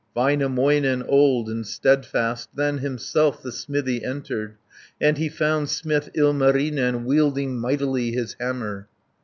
Väinämöinen, old and steadfast, Then himself the smithy entered, 60 And he found smith Ilmarinen, Wielding mightily his hammer.